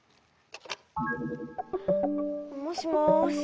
もしもし。